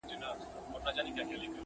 د یار پ لاس کي مي ډک جام دی په څښلو ارزی.